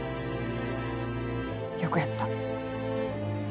よくやった。